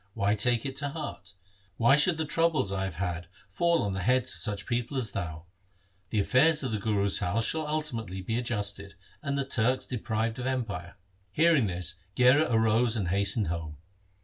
Why take it to heart ? Why should the troubles I have had fall on the heads of such people as thou ? The affairs of the Guru's house shall ultimately be adjusted and the Turks deprived of empire ?' Hearing this Gherar arose and hastened home.